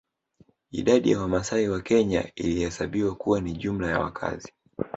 Idadi ya Wamasai wa Kenya ilihesabiwa kuwa ni jumla ya wakazi